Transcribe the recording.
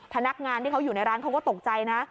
พนักงานที่เขาอยู่ในร้านเขาก็ตกใจนะ